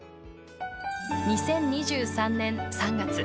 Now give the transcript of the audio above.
２０２３年３月。